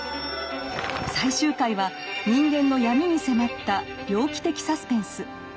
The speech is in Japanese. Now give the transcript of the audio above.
最終回は人間の闇に迫った「猟奇的サスペンス」。